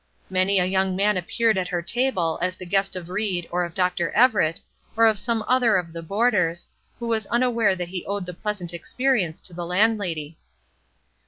Many a young man appeared at her table as the guest of Ried or of Dr. Everett, or of some other of the boarders, who was unaware that he owed the pleasant experience to the landlady.